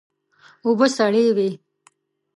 اوبه سړې وې.